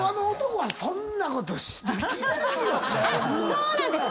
そうなんです！